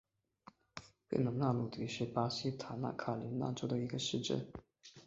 圣贝纳迪努是巴西圣卡塔琳娜州的一个市镇。